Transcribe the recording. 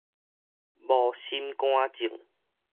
無心肝症